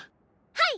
はい！